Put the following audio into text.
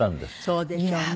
そうでしょうね。